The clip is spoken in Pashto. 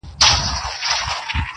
په دې فکر کي خورا په زړه افګار یو!